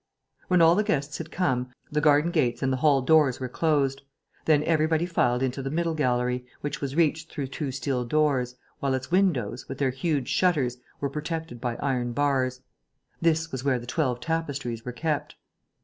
When all the guests had come, the garden gates and the hall doors were closed. Then everybody filed into the middle gallery, which was reached through two steel doors, while its windows, with their huge shutters, were protected by iron bars. This was where the twelve tapestries were kept.